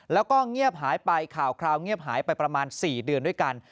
แล้วก็เงียบหายไปข่าวคราวเงียบหายไปประมาณ๔เดือนด้วยกัน